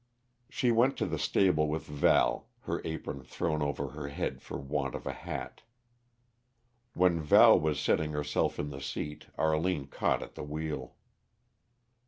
She went to the stable with Val, her apron thrown over her head for want of a hat. "When Val was settling herself in the seat, Arline caught at the wheel.